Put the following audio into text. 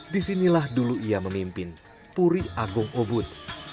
disinilah dulu ia memimpin puri agung ubud